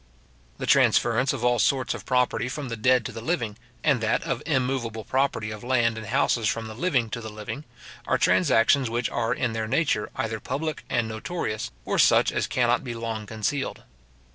The transference of all sorts of property from the dead to the living, and that of immoveable property of land and houses from the living to the living, are transactions which are in their nature either public and notorious, or such as cannot be long concealed.